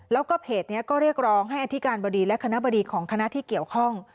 แล้วก็เพจนี้ก็เรียกร้องให้อธิการบดีและคณะบดีของคณะที่เกี่ยวข้อง